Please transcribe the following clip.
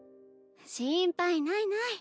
心配ないない。